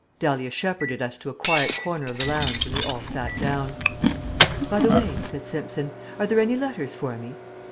Dahlia shepherded us to a quiet corner of the lounge and we all sat down. "By the way," said Simpson, "are there any letters for me?"